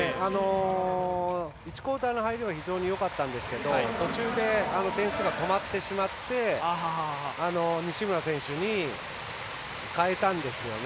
１クオーターの入りは非常によかったんですけど途中で点数が止まってしまって西村選手に代えたんですよね。